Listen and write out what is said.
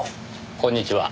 こんにちは。